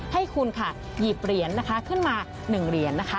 ให้คุณค่ะหยิบเหรียญนะคะขึ้นมา๑เหรียญนะคะ